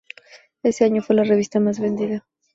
Ese año fue la revista más vendida.